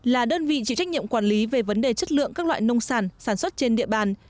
là đơn vị chịu trách nhiệm quản lý về vấn đề chất lượng các loại nông sản sản xuất trên địa bàn